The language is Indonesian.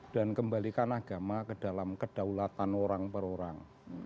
dan kembalikan agama ke dalam kedaulatan orang per orang